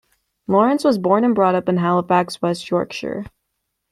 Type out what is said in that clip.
Lawrence was born and brought up in Halifax, West Yorkshire.